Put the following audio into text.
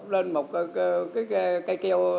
lên một cây kêu